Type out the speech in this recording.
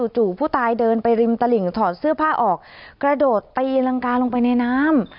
จู่ผู้ตายเดินไปริมตลิ่งถอดเสื้อผ้าออกกระโดดตีรังกาลงไปในน้ำ